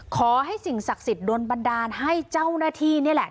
ขอให้สิ่งศักดิ์สิทธิ์โดนบันดาลให้เจ้าหน้าที่นี่แหละ